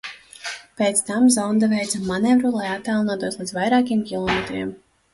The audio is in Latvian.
Pēc tam zonde veica manevru, lai attālinātos līdz vairākiem kilometriem.